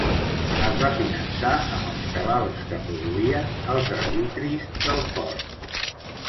Es va finançar amb els cabals que produïen els arbitris del port.